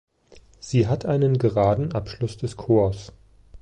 Sie hat einen geraden Abschluss des Chors.